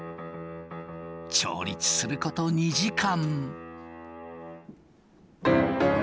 調律すること２時間。